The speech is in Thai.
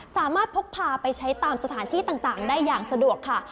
พกพาไปใช้ตามสถานที่ต่างได้อย่างสะดวกค่ะ